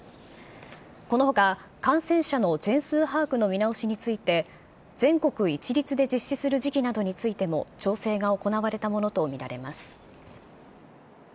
このほか、感染者の全数把握の見直しについて、全国一律で実施する時期などについても調整が行われたものと見られます。